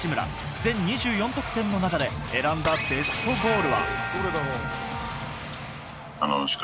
全２４得点の中で選んだベストゴールは。